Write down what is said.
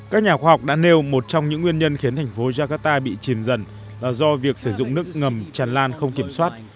các nhà khoa học đã nêu một trong những nguyên nhân khiến thành phố jakarta bị chìm dần là do việc sử dụng nước ngầm tràn lan không kiểm soát